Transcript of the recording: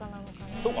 そうか。